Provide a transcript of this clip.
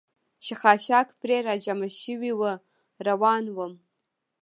چې خاشاک پرې را جمع شوي و، روان ووم.